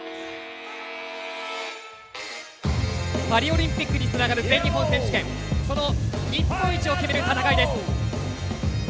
パリオリンピックにつながる全日本選手権その日本一を決める戦いです。